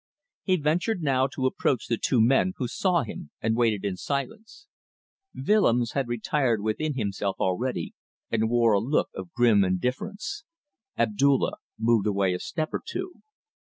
He ventured now to approach the two men, who saw him and waited in silence. Willems had retired within himself already, and wore a look of grim indifference. Abdulla moved away a step or two.